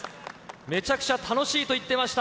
めちゃくちゃ楽しいと言っていました。